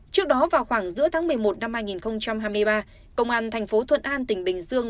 trước đó vào khoảng giữa tháng một mươi một năm hai nghìn hai mươi ba công an thành phố thuận an tỉnh bình dương